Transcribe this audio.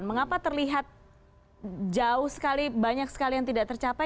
mengapa terlihat jauh sekali banyak sekali yang tidak tercapai